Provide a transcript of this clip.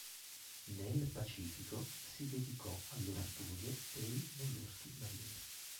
Nel Pacifico si dedicò allo studio dei molluschi marini.